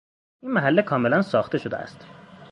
این محله کاملا ساخته شده است.